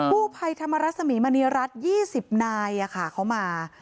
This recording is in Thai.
กู้ไพรธรรมรสมีมเนียรัฐยี่สิบนายอ่ะค่ะเขามา